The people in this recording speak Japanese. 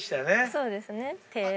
そうですね「てぇ」